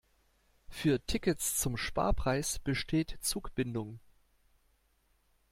Für Tickets zum Sparpreis besteht Zugbindung.